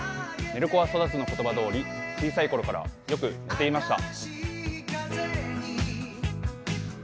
寝る子は育つの言葉どおり小さい頃からよく寝ていました。